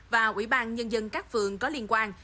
và ủy ban nhân dân các phường có liên quan